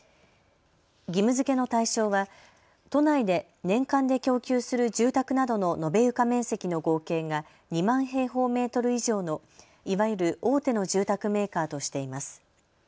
義務づけの対象は都内で年間で供給する住宅などの延べ床面積の合計が２万平方メートル以上のいわゆる大手の住宅メーカーとしています。